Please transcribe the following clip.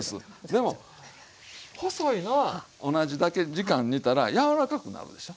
でも細いのは同じだけ時間煮たら柔らかくなるでしょ。